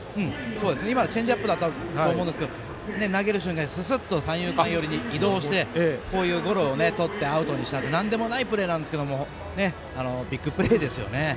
チェンジアップだったと思うんですけど、投げる瞬間に三遊間寄りに移動してこういうゴロをとってアウトにしたというなんでもないプレーですがビッグプレーですよね。